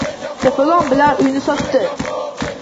To`polon bilan uyni sotdi